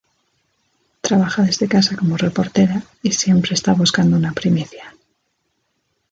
Trabaja desde casa como reportera y siempre está buscando una primicia.